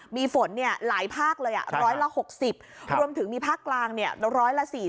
มีฝนหลายภาคเลยร้อยละ๖๐รวมถึงมีภาคกลางร้อยละ๔๐